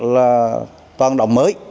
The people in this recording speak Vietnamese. là toàn đồng mới